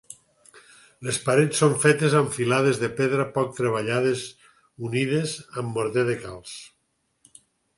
Les parets són fetes amb filades de pedra poc treballades unides amb morter de calç.